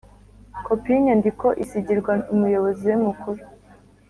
kopi y’ inyandiko isigirwa umuyobozi we mukuru